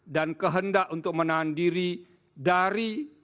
dan kehendak untuk menahan diri dari